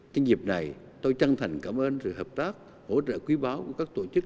trên dịp này tôi chân thành cảm ơn sự hợp tác hỗ trợ quý báo của các tổ chức